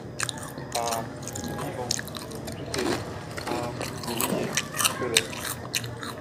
Ah ! vivants, vous doutez ! ah ! vous riez, squelettes !